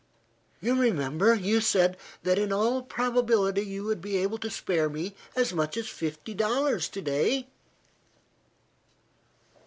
"You remember, you said that in all probability you would be able to spare me as much as fifty dollars to day?"